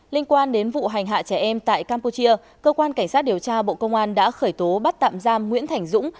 liên quan đến vụ hành hạ trẻ em tại campuchia cơ quan cảnh sát điều tra bộ công an đã khởi tố bắt tạm giam nguyễn thảnh dũng